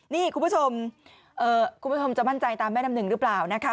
นี่คุณผู้ชมคุณผู้ชมจะมั่นใจตามแม่น้ำหนึ่งหรือเปล่านะคะ